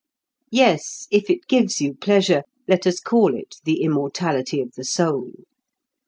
Yes, if it gives you pleasure, let us call it the immortality of the soul.